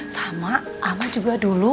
sama amak juga dulu